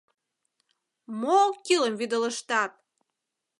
— Мо оккӱлым вӱдылыштат?